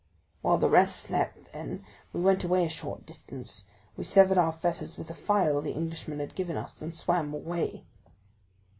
"While the rest slept, then, we went away a short distance; we severed our fetters with a file the Englishman had given us, and swam away."